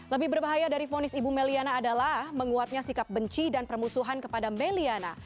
lebih berbahaya dari vonis ibu meliana adalah menguatnya sikap benci dan permusuhan kepada meliana